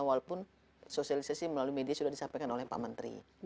walaupun sosialisasi melalui media sudah disampaikan oleh pak menteri